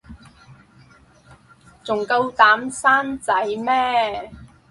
仲夠膽生仔咩